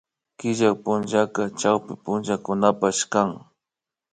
Chillay punllaka chawpi punchakunapapash kan